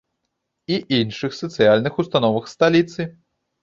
І іншых сацыяльных установах сталіцы.